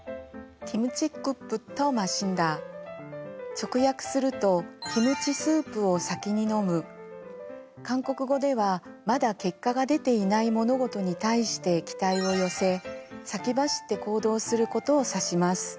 直訳すると韓国語ではまだ結果が出ていない物事に対して期待を寄せ先走って行動することを指します。